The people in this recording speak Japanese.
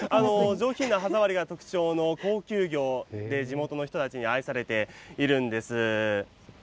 上品な歯触りが特徴の高級魚で、地元の人たちに愛されているんです。